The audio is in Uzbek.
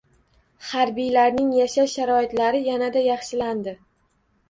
Harbiylarning yashash sharoitlari yanada yaxshilandi